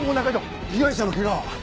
被害者の怪我は？